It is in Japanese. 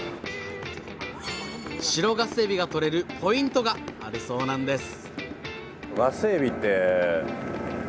白ガスエビが取れるポイントがあるそうなんです